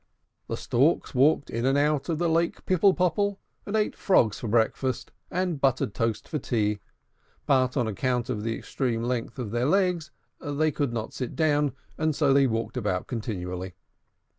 The Storks walked in and out of the Lake Pipple Popple, and ate frogs for breakfast, and buttered toast for tea; but on account of the extreme length of their legs they could not sit down, and so they walked about continually.